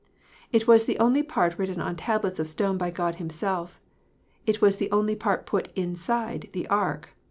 It was the only part written on tables of stone by God Himself. It was the only part put inside the ark.